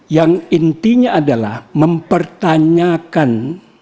yang intinya adalah mempertanyakan